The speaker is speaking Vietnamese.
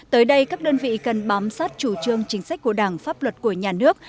tới đây các đơn vị cần bám sát chủ trương chính sách của đảng pháp luật của nhà nước